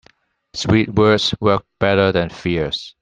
Sweet words work better than fierce.